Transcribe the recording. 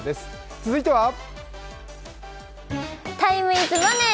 続いてはタイム・イズ・マネー。